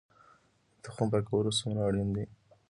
د تخم پاکول څومره اړین دي؟